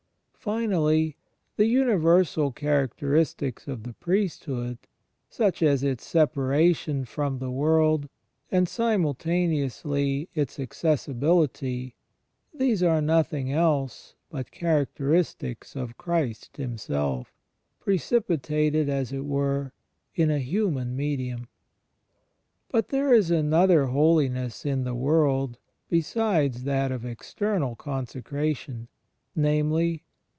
Finally, the universal characteristics of the priesthood — such as its separation from the world and, simultaneously, its acces sibility — these are nothing else but characteristics of Christ Himself, precipitated, as it were, in a human mediimi. But there is another holiness in the world, besides that of external consecration — namely.